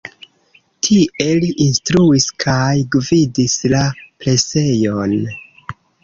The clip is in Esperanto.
Tie li instruis kaj gvidis la presejon.